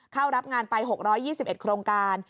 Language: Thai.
เข้ารับงานไป๖๒๑โครงการ